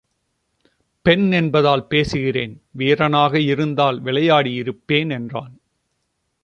பெண் என்பதால் பேசுகிறேன் வீரனாக இருந்தால் விளையாடி இருப்பேன் என்றான்.